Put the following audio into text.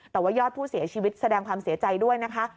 แต่ว่ายอดผู้เสียชีวิตแสดงความเสียใจด้วยนะคะ